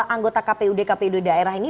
anggota kpud kpud daerah ini